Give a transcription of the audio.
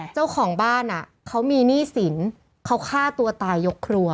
เจ้าของบ้านมีหนี้สินข้าวตัวตายกครัว